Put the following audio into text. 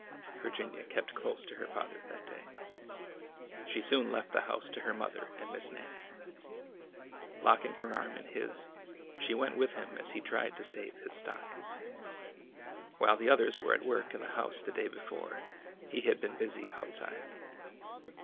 Virginia kept close to her father that day. She soon left the house to her mother and Miss Nannie. Locking her arm in his, she went with him as he tried to save his stock. While the others were at work in the house the day before, he had been busy outside.